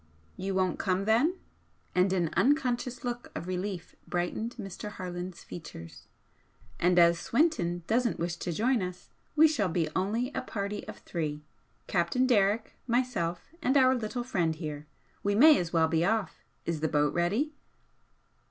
"You won't come, then?" and an unconscious look of relief brightened Mr. Harland's features "And as Swinton doesn't wish to join us, we shall be only a party of three Captain Derrick, myself and our little friend here. We may as well be off. Is the boat ready?"